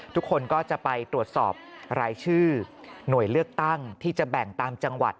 ทุกคนก็จะไปตรวจสอบรายชื่อหน่วยเลือกตั้งที่จะแบ่งตามจังหวัด